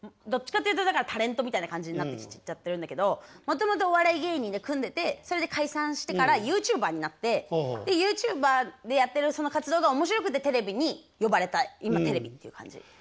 どっちかっていうとタレントみたいな感じになってきちゃってるんだけどもともとお笑い芸人で組んでてそれで解散してからＹｏｕＴｕｂｅｒになってでＹｏｕＴｕｂｅｒでやってるその活動が面白くてテレビに呼ばれた今テレビっていう感じ。